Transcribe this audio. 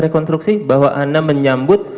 rekonstruksi bahwa anda menyambut